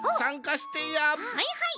はいはい！